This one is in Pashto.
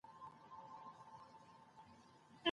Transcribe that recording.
له نکاح څخه مراد کوم ډول نکاح ده؟